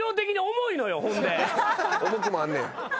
重くもあんねや。